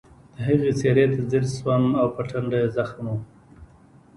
د هغې څېرې ته ځیر شوم او په ټنډه یې زخم و